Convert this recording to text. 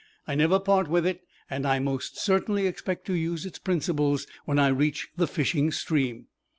"I never part with it and I most certainly expect to use its principles when I reach the fishing stream.